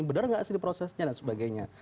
benar nggak sih prosesnya dan sebagainya